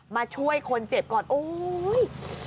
มาช่วยคนเจ็บก่อนโอ๊ย